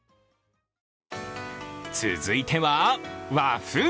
続いては、和風。